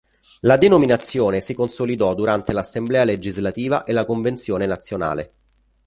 La denominazione si consolidò durante l'Assemblea legislativa e la Convenzione Nazionale.